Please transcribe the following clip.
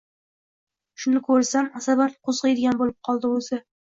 Shuni ko`rsam, asabim qo`ziydigan bo`lib qoldi o`zi